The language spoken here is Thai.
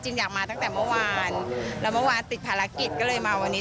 อยากมาตั้งแต่เมื่อวานแล้วเมื่อวานติดภารกิจก็เลยมาวันนี้